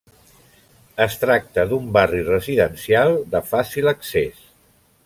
Es tracta d'un barri residencial de fàcil accés.